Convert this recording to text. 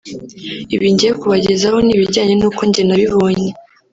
Ibi ngiye kubagezaho ni ibijyanye nuko njye nabibonye